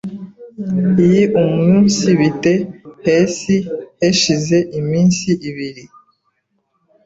yiumunsibite hesi heshize iminsi ibiri